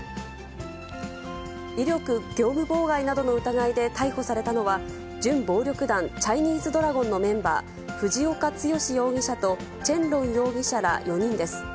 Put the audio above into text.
威力業務妨害などの疑いで逮捕されたのは、準暴力団、チャイニーズドラゴンのメンバー、藤岡剛容疑者とちぇんろん容疑者ら４人です。